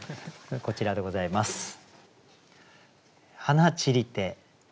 こちらでございます。